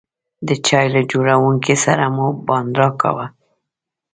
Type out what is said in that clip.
د چای له جوړونکي سره مو بانډار کاوه.